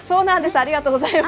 ありがとうございます。